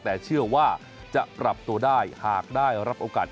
แต่เชื่อว่าจะปรับตัวได้หากได้รับโอกาส